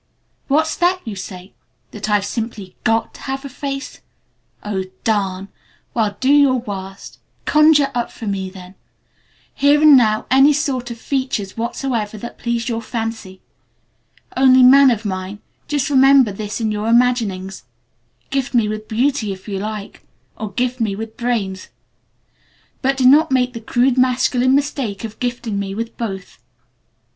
"What's that you say? That I've simply got to have a face? Oh, darn! well, do your worst. Conjure up for me then, here and now, any sort of features whatsoever that please your fancy. Only, Man of Mine, just remember this in your imaginings: Gift me with Beauty if you like, or gift me with Brains, but do not make the crude masculine mistake of gifting me with both.